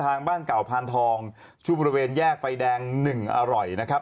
บ้านเก่าพานทองช่วงบริเวณแยกไฟแดง๑อร่อยนะครับ